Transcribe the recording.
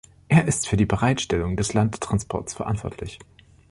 Er ist für die Bereitstellung des Landtransports verantwortlich.